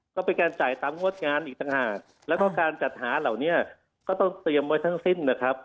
ก็เป็นการจ่ายตามงวดงานอีกต่างหากแล้วก็การจัดหาเหล่านี้ก็ต้องเตรียมไว้ทั้งสิ้นนะครับ